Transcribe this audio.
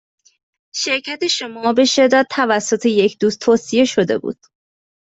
شرکت شما به شدت توسط یک دوست توصیه شده بود.